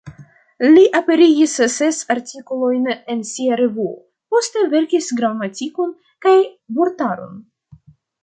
Li aperigis ses artikolojn en sia revuo; poste verkis gramatikon kaj vortaron.